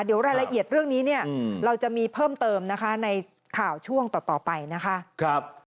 เดี๋ยวรายละเอียดเรื่องนี้เนี่ยเราจะมีเพิ่มเติมนะคะในข่าวช่วงต่อไปนะคะ